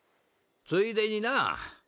ついでにな。